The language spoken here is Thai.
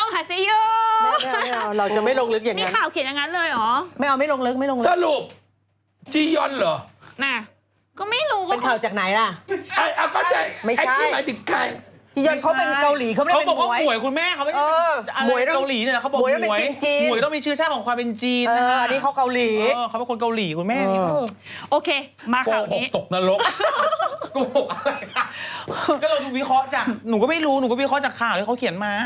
กระโดดูวิเค้าหนูก็ไม่รู้หนูก็วิเค้าจะข่าวที่เขาเขียนมา